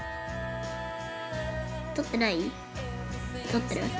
撮ってない？